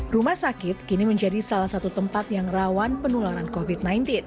rumah sakit kini menjadi salah satu tempat yang rawan penularan covid sembilan belas